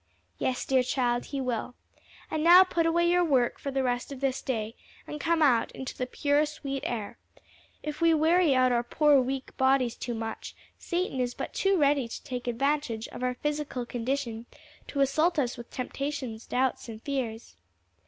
"Yes, dear child, he will. And now put away your work for the rest of this day and come out into the pure, sweet air. If we weary our poor, weak bodies too much, Satan is but too ready to take advantage of our physical condition to assault us with temptations, doubts and fears."